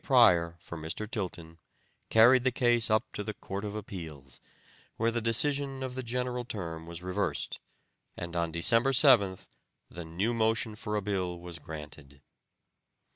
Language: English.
Pryor for Mr. Tilton, carried the case up to the Court of Appeals, where the decision of the general term was reversed, and on December 7th, the new motion for a bill was granted.